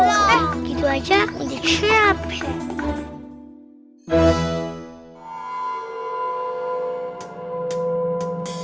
eh gitu aja aku di capek